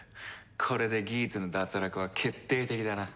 これでギーツの脱落は決定的だな。